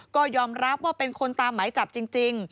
ก็ยอมรับว่าเป็นคนตามหมายจับจริง